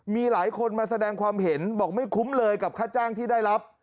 มีหลายคนมาแสดงความเห็นบอกไม่คุ้มเลยกับค่าจ้างที่ได้รับ